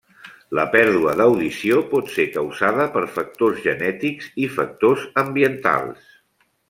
La pèrdua d'audició pot ser causada per factors genètics i factors ambientals.